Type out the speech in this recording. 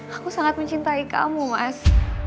aku sangat mencintai kamu mas